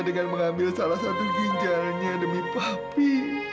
dengan mengambil salah satu ginjalnya demi papi